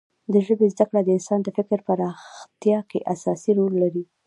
د ژبې زده کړه د انسان د فکر پراختیا کې اساسي رول لري.